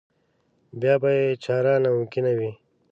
بیا به یې چاره ناممکنه وي.